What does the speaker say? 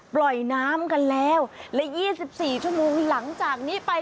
ปล่อยน้ำกันแล้วและ๒๔ชั่วโมงหลังจากนี้ไป